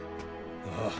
ああ。